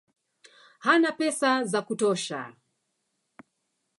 Hana pesa za kutosha